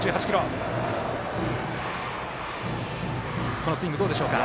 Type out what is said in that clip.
このスイング、どうでしょうか。